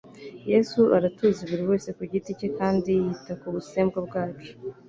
Yesu aratuzi buri wese ku giti cye kandi yita ku busembwa bwacu.